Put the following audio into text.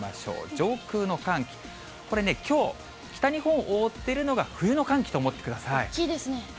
上空の寒気、これ、きょう、北日本を覆っているのが冬の寒気大きいですね。